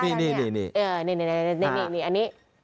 นี่อันนี้